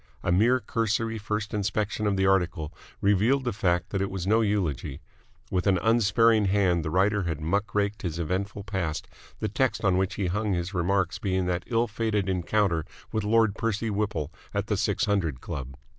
A mere cursory first inspection of the article revealed the fact that it was no eulogy. With an unsparing hand the writer had muck raked his eventful past, the text on which he hung his remarks being that ill fated encounter with Lord Percy Whipple at the Six Hundred Club.